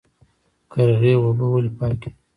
قرغې اوبه ولې پاکې دي؟